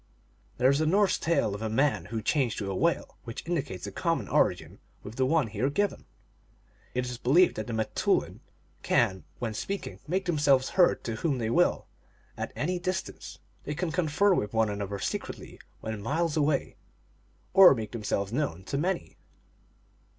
There is a Norse tale of a man changed to a whale which indicates a common origin with the one here given. It is believed that the m teoulin can, when speak ing, make themselves heard to whom they will, at any 3T8 THE ALGONQUIN LEGENDS. distance. They can confer with one another secretly when miles away, or make themselves known to many.